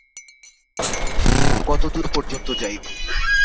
কতদূর পর্যন্ত যাইবে?